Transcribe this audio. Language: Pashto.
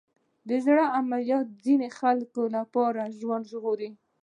د زړه عملیات د ځینو خلکو لپاره ژوند ژغوري.